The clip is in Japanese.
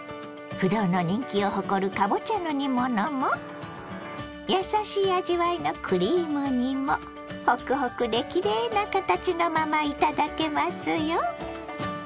不動の人気を誇るかぼちゃの煮物もやさしい味わいのクリーム煮もホクホクできれいな形のまま頂けますよ。